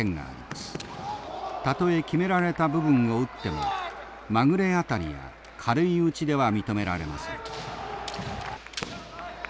たとえ決められた部分を打ってもまぐれ当たりや軽い打ちでは認められません。